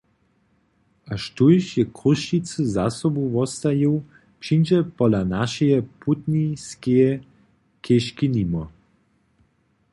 A štóž je Chrósćicy za sobu wostajił, přińdźe pola našeje putniskeje chěžki nimo.